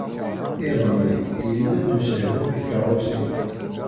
Iḍelli, yella-d usehwu n tkeṛṛusin.